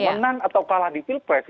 menang atau kalah di pilpres